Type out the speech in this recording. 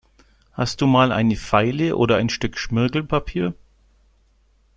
Hast du mal eine Feile oder ein Stück Schmirgelpapier?